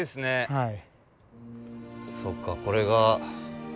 はい。